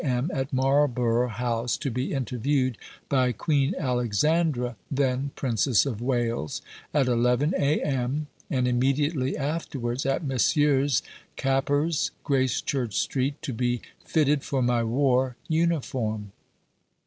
M., at Marlborough House to be interviewed by Queen Alexandra (then Princess of Wales) at 11 A.M.; and immediately afterwards at Messrs. Cappers, Gracechurch Street, to be fitted for my war uniform.